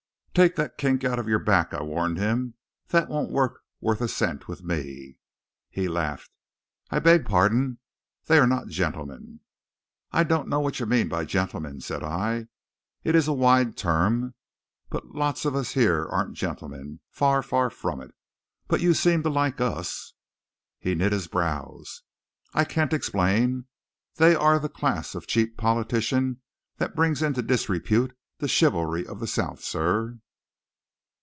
"Take that kink out of your back," I warned him. "That won't work worth a cent with me!" He laughed. "I beg pardon. They are not gentlemen." "I don't know what you mean by gentlemen," said I; "it's a wide term. But lots of us here aren't gentlemen far, far from it. But you seem to like us." He knit his brows. "I can't explain. They are the class of cheap politician that brings into disrepute the chivalry of the South, sir."